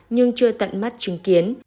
nhưng chưa tận mắt chứng kiến